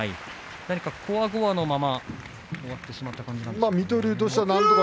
何か、こわごわのまま終わってしまった感じでしょうか。